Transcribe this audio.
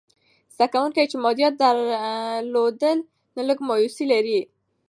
زده کوونکي چې مادیات درلودل، نو لږ مایوسې لري.